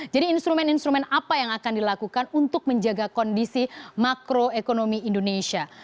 jadi instrumen instrumen apa yang akan dilakukan untuk menjaga kondisi makroekonomi indonesia